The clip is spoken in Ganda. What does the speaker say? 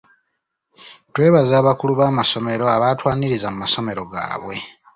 Twebaza abakulu b'amasomero abaatwaniriza mu masomero gaabwe.